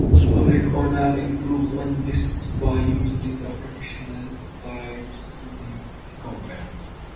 "Oric Owner" improved on this by using a professional typesetting company.